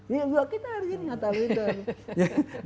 ya dua gitar ini atta halilitar